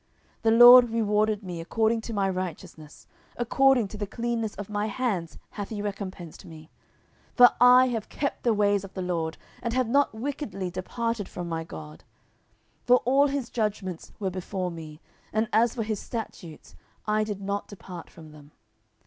10:022:021 The LORD rewarded me according to my righteousness: according to the cleanness of my hands hath he recompensed me. 10:022:022 For I have kept the ways of the LORD, and have not wickedly departed from my God. 10:022:023 For all his judgments were before me: and as for his statutes, I did not depart from them.